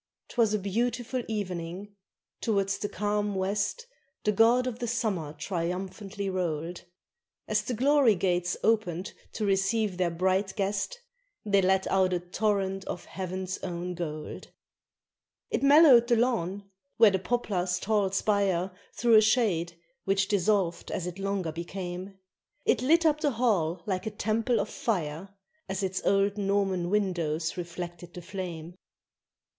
_ 'Twas a beautiful evening: towards the calm west The god of the summer triumphantly rolled; As the glory gates oped to receive their bright guest They let out a torrent of heaven's own gold. It mellowed the lawn, where the poplar's tall spire Threw a shade, which dissolved as it longer became. It lit up the hall like a temple of fire As its old Norman windows reflected the flame.